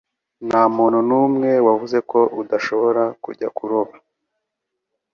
Ntamuntu numwe wavuze ko udashobora kujya kuroba